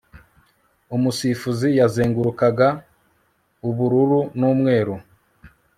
umusifuzi yazengurukaga ubururu n'umweru